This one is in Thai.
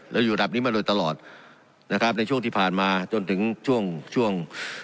แล้วอยู่ระดับนี้มาโดยตลอดนะครับในช่วงที่ผ่านมาจนถึงช่วงช่วง